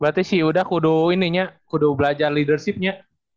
berarti sih udah kudu ininya kudu belajar leadershipnya